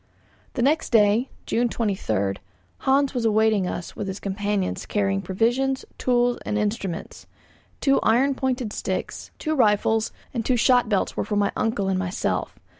The next day, June 23, Hans was awaiting us with his companions carrying provisions, tools, and instruments; two iron pointed sticks, two rifles, and two shot belts were for my uncle and myself.